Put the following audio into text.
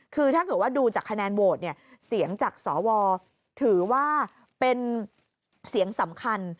คือถ้าเกิดว่าดูจากคะแนนโหวตเนี่ยเสียงจากสวถือว่าเป็นเสียงสำคัญ